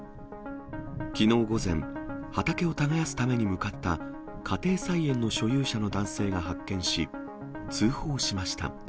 きのう午前、畑を耕すために向かった家庭菜園の所有者の男性が発見し、通報しました。